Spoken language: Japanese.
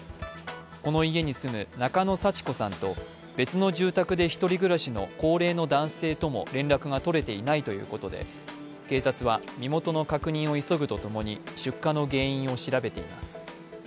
この家に住む中野幸子さんと別の住宅で１人暮らしの高齢の男性とも連絡が取れていないということで警察は身元の確認を急ぐとともに、出火の原因を調べています。